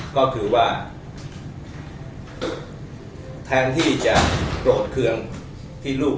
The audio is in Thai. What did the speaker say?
ก็คือว่าแทนที่จะโกรธเครื่องที่ลูก